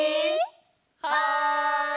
はい！